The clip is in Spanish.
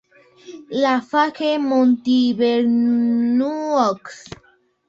La Fage-Montivernoux